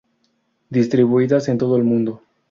Distribuidas en todo el mundo.